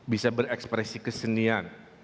bisa berekspresi kesenian